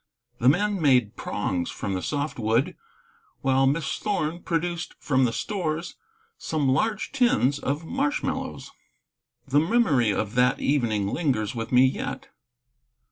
The men made prongs from the soft wood, while Miss Thorn produced from the stores some large tins of marshmallows. The memory of that evening lingers with me yet.